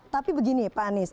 tapi begini pak anies